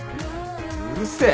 うるせえ！